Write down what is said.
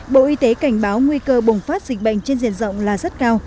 bộ y tế cảnh báo nguy cơ bùng phát dịch bệnh trên diện rộng là rất cao